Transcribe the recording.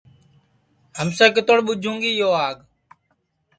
ہمسیے کِتوڑ ٻُوجھوں گی یو آگ